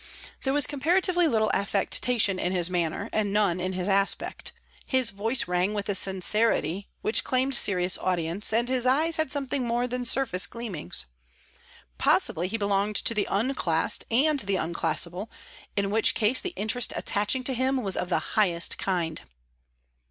There was comparatively little affectation in his manner, and none in his aspect; his voice rang with a sincerity which claimed serious audience, and his eyes had something more than surface gleamings. Possibly he belonged to the unclassed and the unclassable, in which case the interest attaching to him was of the highest kind.